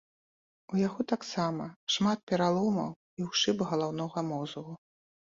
У яго таксама шмат пераломаў і ўшыб галаўнога мозгу.